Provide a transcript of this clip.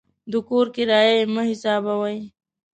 د کور کرایه یې مه حسابوئ.